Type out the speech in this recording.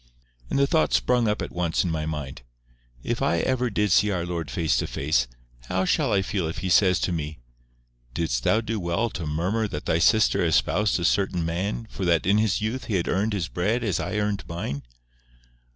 And the thought sprung up at once in my mind—"If I ever see our Lord face to face, how shall I feel if He says to me; 'Didst thou do well to murmur that thy sister espoused a certain man for that in his youth he had earned his bread as I earned mine?